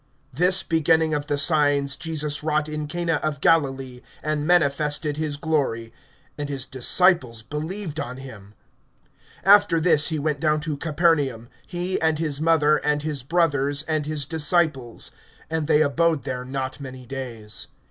(11)This beginning of the signs Jesus wrought in Cana of Galilee, and manifested his glory; and his disciples believed on him. (12)After this he went down to Capernaum, he, and his mother, and his brothers, and his disciples; and they abode there not many days.